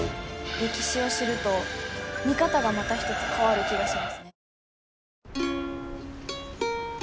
歴史を知ると見方がまた一つ変わる気がしますね。